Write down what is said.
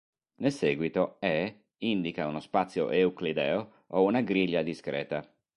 Nel seguito "E" indica uno spazio euclideo o una griglia discreta.